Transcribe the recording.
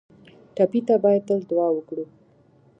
ټپي ته باید تل دعا وکړو